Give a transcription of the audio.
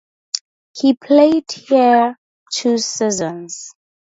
He played here two seasons.